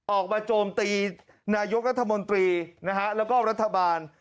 ออกมาโจมตีนายกรัฐมนตรีและก็รัฐบาล